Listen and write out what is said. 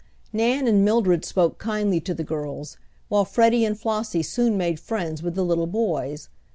Nan and Mildred spoke kindly to the girls, while Freddie and Flossie soon made friends with the little boys.